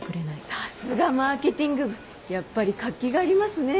さすがマーケティング部やっぱり活気がありますね。